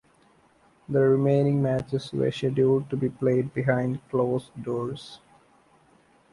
The remaining matches were scheduled to be played behind closed doors.